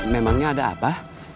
memangnya ada apa